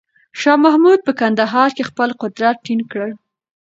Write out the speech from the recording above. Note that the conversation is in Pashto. شاه محمود په کندهار کې خپل قدرت ټینګ کړ.